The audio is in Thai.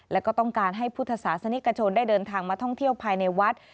แล้วก็ต้องการให้พุทธศาสนิกชนได้เดินทางมาท่องเที่ยวภายในวัด